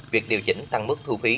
việc điều chỉnh tăng mức thu phí